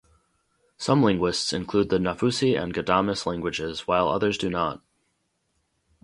Some linguists include the Nafusi and Ghadames languages, while others do not.